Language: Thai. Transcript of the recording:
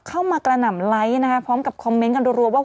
เข้ามากระหน่ำไลค์นะฮะพร้อมกับคอมเม้นต์กันรวว่า